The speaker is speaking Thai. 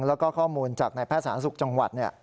แล้วก็ข้อมูลจากนายแพทย์สาธารณสุขจังหวัด